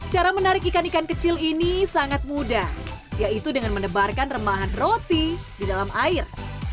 cara menarik ikan ikan kecil ini sangat mudah yaitu dengan mendebarkan remahan roti di dalam air